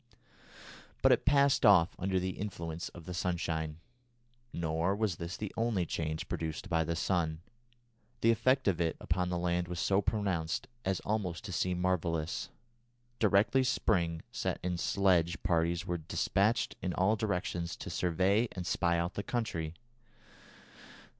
But it passed off under the influence of the sunshine. Nor was this the only change produced by the sun. The effect of it upon the land was so pronounced as almost to seem marvellous. Directly spring set in sledge parties were despatched in all directions to survey and spy out the country.